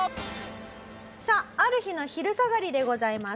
さあある日の昼下がりでございます。